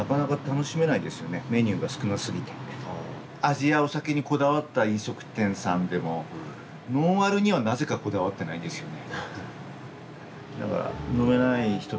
味やお酒にこだわった飲食店さんでもノンアルにはなぜかこだわってないんですよね。